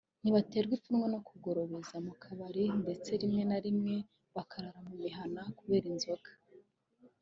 ntibaterwa ipfunwe no kugorobereza mu kabari ndetse rimwe na rimwe bakarara mu mihana kubera inzoga